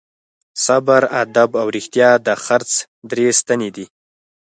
صبر، ادب او رښتیا د خرڅ درې ستنې دي.